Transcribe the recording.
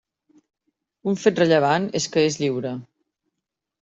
Un fet rellevant és que és lliure.